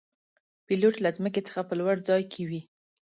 پیلوټ له ځمکې څخه په لوړ ځای کې وي.